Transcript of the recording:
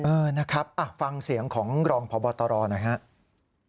เออนะครับฟังเสียงของรองพบตรหน่อยครับ